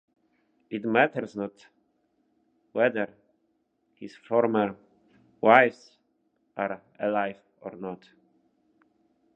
It matters not whether his former wives are alive or not.